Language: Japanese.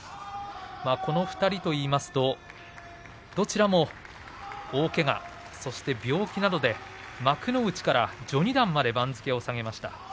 この２人といいますとどちらも大けがそして、病気などで幕内から序二段まで番付を下げました。